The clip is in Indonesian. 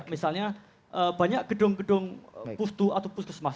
misalnya banyak gedung gedung puftu atau puskesmas